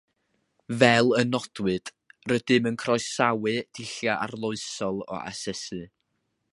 Fel y nodwyd, rydym yn croesawu dulliau arloesol o asesu